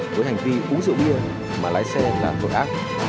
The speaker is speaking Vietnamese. với hành vi uống rượu bia mà lái xe là tội ác